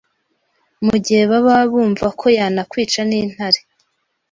mu gihe baba bumva ko yanakwica n’intare